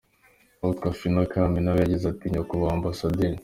Uwitwa Phina Kami na we yagize ati “Nyakubahwa Amb.